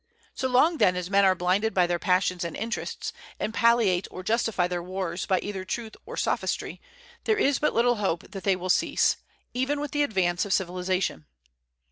So long then as men are blinded by their passions and interests, and palliate or justify their wars by either truth or sophistry, there is but little hope that they will cease, even with the advance of civilization.